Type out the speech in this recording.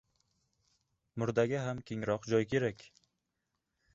• Murdaga ham kengroq joy kerak.